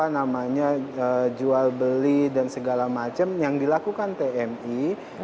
namanya jual beli dan segala macam yang dilakukan tmi